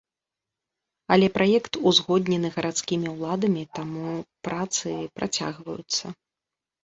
Але праект узгоднены гарадскімі ўладамі, таму працы працягваюцца.